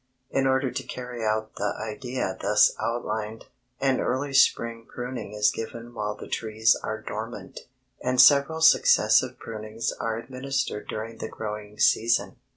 In order to carry out the idea thus outlined, an early spring pruning is given while the trees are dormant, and several successive prunings are administered during the growing season.